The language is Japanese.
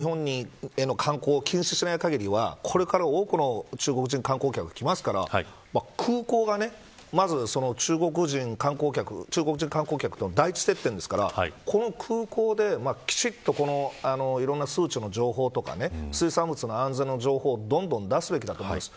日本政府、どういう対応をもし中国政府が日本への観光を禁止しない限りはこれから多くの中国人観光客が来ますから空港が、まず中国人観光客との第一接点ですからこの空港できちんといろんな数値の情報とか水産物の安全の情報をどんどん出すべきだと思います。